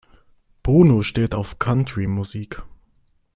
Bruno steht auf Country-Musik.